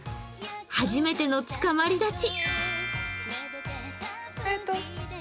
初めてのつかまり立ち。